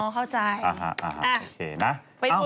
อ๋อเข้าใจ